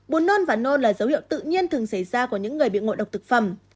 bột nôn và nôn là dấu hiệu tự nhiên thường xảy ra của những người bị ngộ độc thực phẩm